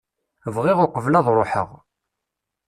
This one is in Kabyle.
Bɣiɣ uqbel ad ruḥeɣ.